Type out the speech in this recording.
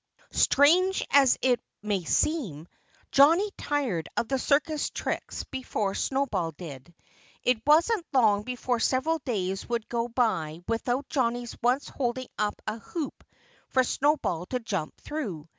Strange as it may seem, Johnnie tired of the circus tricks before Snowball did. It wasn't long before several days would go by without Johnnie's once holding up a hoop for Snowball to jump through.